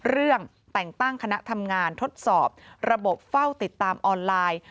เรื่องแต่งตั้งคณะทำงานทดสอบระบบเฝ้าติดตามออนไลน์